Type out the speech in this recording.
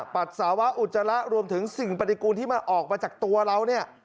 ปัสสาวะอุจจาระรวมถึงสิ่งปฏิกูลที่มันออกมาจากตัวเราเนี่ย